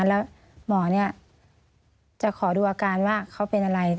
แล้วหมอจะขอดูอาการว่าเขาเป็นอะไร